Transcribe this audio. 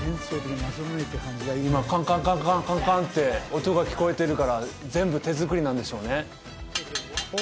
今カンカンカンカンカンカンって音が聞こえてるから全部手作りなんでしょうね